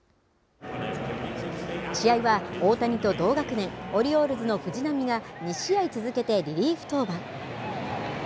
試合は大谷と同学年オリオールズの藤浪が２試合続けてリリーフ登板。